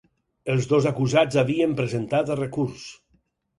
Els dos acusats havien presentat recurs